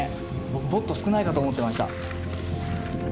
僕もっと少ないかと思ってました。